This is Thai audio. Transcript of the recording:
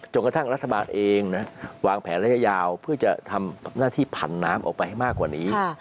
กระทั่งรัฐบาลเองวางแผนระยะยาวเพื่อจะทำหน้าที่ผันน้ำออกไปให้มากกว่านี้